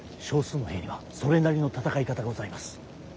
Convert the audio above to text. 少数の兵にはそれなりの戦い方がございます。